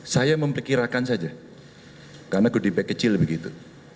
saya memperkirakan saja karena budibek kecil begitu